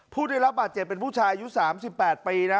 ผู้ได้รับบาดเจ็บเป็นผู้ชายอายุ๓๘ปีนะ